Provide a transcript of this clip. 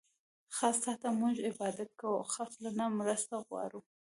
خاص تاته مونږ عبادت کوو، او خاص له نه مرسته غواړو